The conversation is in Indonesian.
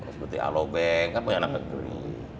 seperti alo bank kan punya anak negeri